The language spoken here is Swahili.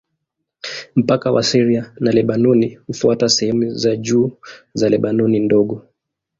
Mpaka wa Syria na Lebanoni hufuata sehemu za juu za Lebanoni Ndogo.